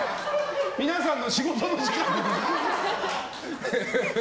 皆さんの仕事の時間ですよ！